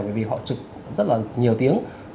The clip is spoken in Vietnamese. bởi vì họ trực rất là nhiều tiếng